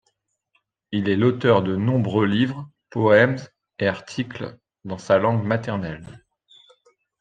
Il est l'auteur de nombreux livres, poèmes et articles dans sa langue maternelle.